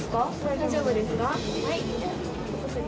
大丈夫ですか？